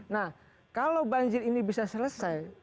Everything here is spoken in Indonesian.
nah kalau banjir ini bisa selesai